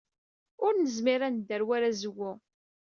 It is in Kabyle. Ur nezmir ad nedder war azwu.